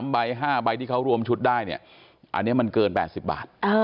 ใบ๕ใบที่เขารวมชุดได้เนี่ยอันนี้มันเกิน๘๐บาท